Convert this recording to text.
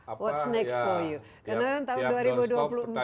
apa yang berikutnya buat kamu